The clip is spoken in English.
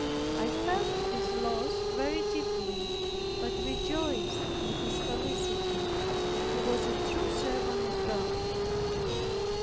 I felt his loss very deeply, but rejoiced in his felicity. He was a true servant of God.